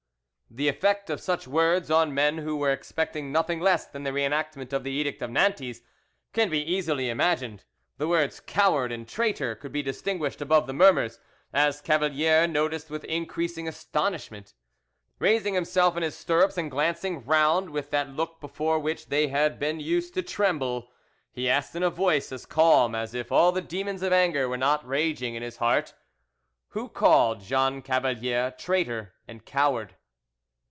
The effect of such words on men who were expecting nothing less than the re enactment of the Edict of Nantes, can be easily imagined; the words "coward" and "traitor" could be distinguished above the murmurs, as Cavalier noticed with increasing astonishment. Raising himself in his stirrups, and glancing round with that look before which they had been used to tremble, he asked in a voice as calm as if all the demons of anger were not raging in his heart, "Who called Jean Cavalier traitor and coward?"